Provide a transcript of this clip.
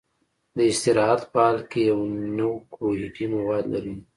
د استراحت په حال کې یو نوکلوئیدي مواد لري.